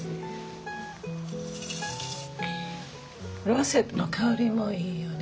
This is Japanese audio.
ローズヒップの香りもいいよね。